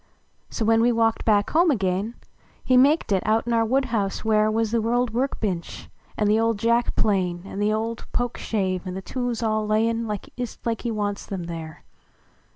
So when we walked 1)ack home again, lie maked it, out in our woodhuuse where \Yux tlie old workliench, an the old jack plane. An the old pokeshave, an the tools all lay n 1st like he wants em there.